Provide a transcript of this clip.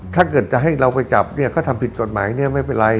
ถ้าเกิดจะให้เราไปจับเขาทำผิดกฎหมายไม่เป็นไร